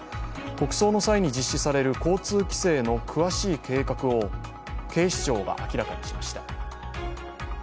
国葬の際に実施される交通規制の詳しい計画を警視庁が明らかにしました。